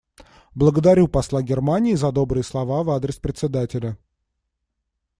Благодарю посла Германии за добрые слова в адрес Председателя.